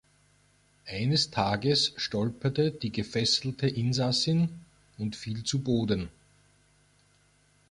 Eines Tages stolperte die gefesselte Insassin und fiel zu Boden.